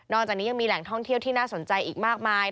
จากนี้ยังมีแหล่งท่องเที่ยวที่น่าสนใจอีกมากมาย